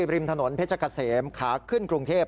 ริมถนนเพชรเกษมขาขึ้นกรุงเทพ